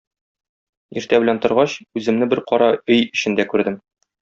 Иртә белән торгач, үземне бер кара өй эчендә күрдем.